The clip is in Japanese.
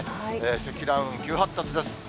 積乱雲、急発達です。